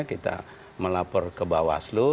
kita melapor ke bawaslu